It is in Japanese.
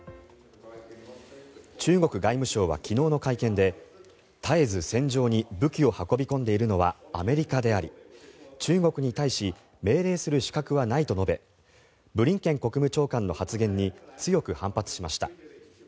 中国外務省は昨日の会見で絶えず戦場に武器を運び込んでいるのはアメリカであり中国に対し命令する資格はないと述べブリンケン国務長官の発言に強く反発しました。